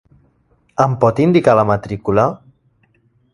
Em pot indicar la matrícula?